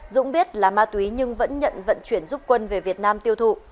dũng biết là ma túy nhưng vẫn nhận vận chuyển giúp quân về việt nam tiêu thụ